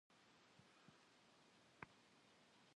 Khış'ıhem nasıp khış'ıhere, ş'eç'ıjjım akhıl khış'ixıjju them yiş'!